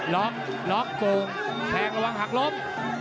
ล๊อคล๊อคโกงแหลงระวังหักลบ